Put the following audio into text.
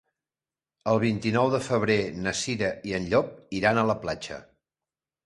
El vint-i-nou de febrer na Cira i en Llop iran a la platja.